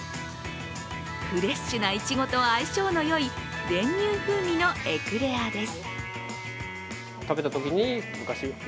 フレッシュないちごと相性のよい練乳風味のエクレアです。